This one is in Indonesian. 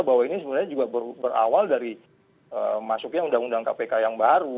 bahwa ini sebenarnya juga berawal dari masuknya undang undang kpk yang baru